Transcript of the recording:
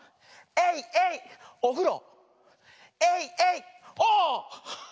エイエイおふろ。